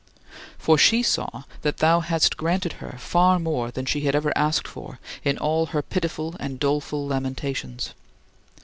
" For she saw that thou hadst granted her far more than she had ever asked for in all her pitiful and doleful lamentations.